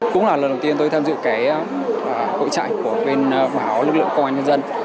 cũng là lần đầu tiên tôi tham dự cái hội trại của bên báo lực lượng công an nhân dân